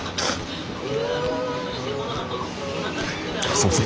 すみません。